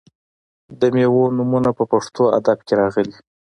د میوو نومونه په پښتو ادب کې راغلي.